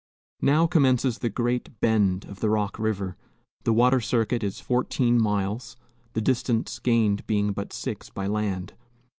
Now commences the Great Bend of the Rock River. The water circuit is fourteen miles, the distance gained being but six by land.